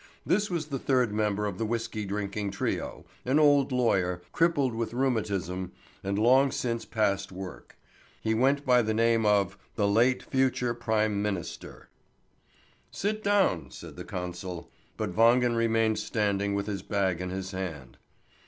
This was the third member of the whisky drinking trio, an old lawyer, crippled with rheumatism, and long since past work. He went by the name of "the late future prime minister." "Sit down!" said the consul, but Wangen remained standing with his bag in his hand.